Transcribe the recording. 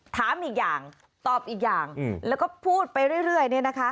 ถามอีกอย่างตอบอีกอย่างแล้วก็พูดไปเรื่อยเนี่ยนะคะ